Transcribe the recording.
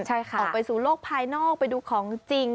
ใช่ค่ะออกไปสู่โลกภายนอกไปดูของจริง